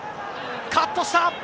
カットした。